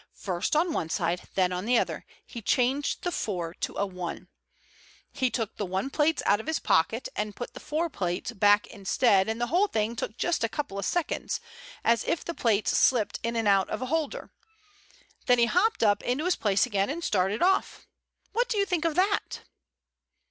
First on one side and then on the other. He changed the 4 to a 1. He took the 1 plates out of his pocket and put the 4 plates back instead, and the whole thing just took a couple of seconds, as if the plates slipped in and out of a holder. Then he hopped up into his place again and started off. What do you think of that?"